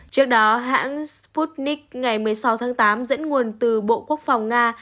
trước đó hãng sputnik ngày một mươi sáu tháng tám dẫn nguồn từ bộ quốc phòng nga